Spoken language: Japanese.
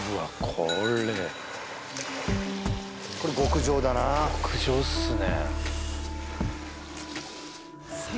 これこれ極上だな極上っすね